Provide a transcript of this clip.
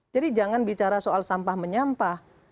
jadi jangan bicara soal sampah menyampah